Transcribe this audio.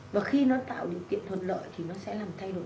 và khi nó tạo điều kiện thuận lợi thì nó sẽ làm thay đổi